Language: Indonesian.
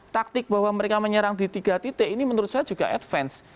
taktik bahwa mereka menyerang di tiga titik ini menurut saya juga advance